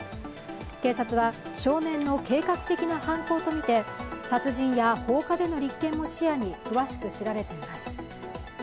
警察は少年の計画的な犯行とみて殺人や放火での立件も視野に詳しく調べています。